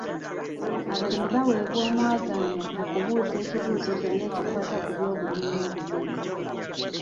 Abalimi baweebwa omwagaanya okubuuza ekibuuzo kyonna ekikwata ku by'obulimi n'obulunzi.